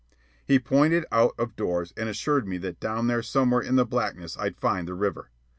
He pointed out of doors and assured me that down there somewhere in the blackness I'd find the river.